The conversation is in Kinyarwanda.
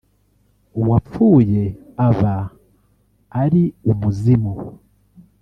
uwapfuye aba ari umuzimu